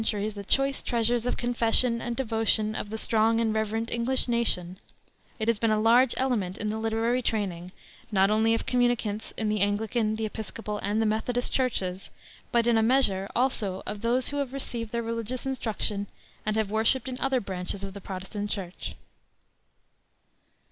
Gathering thus through three centuries the choice treasures of confession and devotion of the strong and reverent English nation, it has been a large element in the literary training, not only of communicants in the Anglican, the Episcopal, and the Methodist Churches, but, in a measure, also of those who have received their religious instruction and have worshiped in other branches of the Protestant Church.